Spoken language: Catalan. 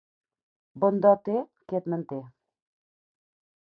Bon do té qui et manté.